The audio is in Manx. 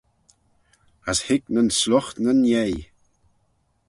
As hig nyn sluight nyn yei.